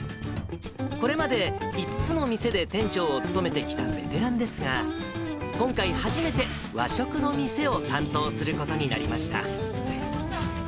これまで５つの店で店長を務めてきたベテランですが、今回初めて和食の店を担当することになりました。